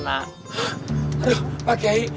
aduh pak kiai